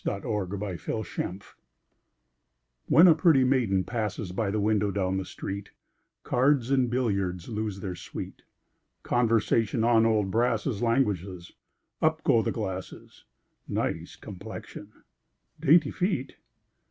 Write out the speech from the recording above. Y Z At the Club When a pretty maiden passes By the window down the street, Cards and billiards lose their sweet; Conversation on old brasses Languishes; up go the glasses: "Nice complexion!" "Dainty feet!"